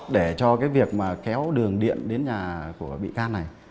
để cho cái việc mà kéo đường điện đến nhà của bị can này